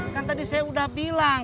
kan tadi saya sudah bilang